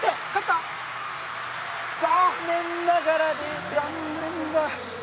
残念ながら。